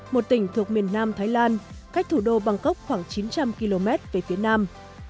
một tỉnh thuộc miền nam thái lan cách thủ đô bangkok khoảng chín trăm linh km về phía nam